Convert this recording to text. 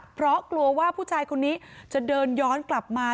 เพราะกลัวว่าผู้ชายคนนี้จะเดินย้อนกลับมา